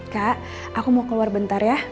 kak aku mau keluar bentar ya